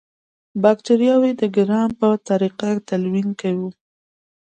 باکټریاوې د ګرام په طریقه تلوین کوو.